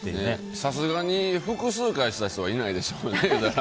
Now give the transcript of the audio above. さすがに複数回した人はいないでしょうね。